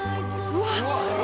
うわっ！